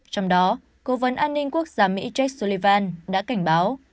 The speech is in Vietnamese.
trong đó cố vấn an ninh quốc gia mỹ jake sullivan đã cảnh báo